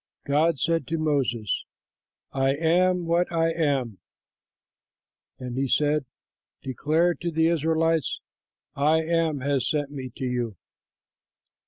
God said to Moses, "I AM WHAT I AM"; and he said, "Declare to the Israelites: 'I AM has sent me to you.'